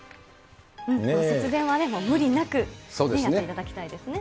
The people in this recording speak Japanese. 節電はね、無理なくやっていただきたいですね。